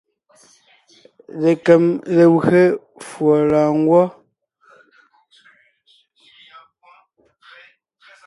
Lekem legwé fùɔ lɔ̀ɔngwɔ́.